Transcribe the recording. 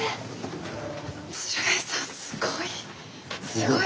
すごい。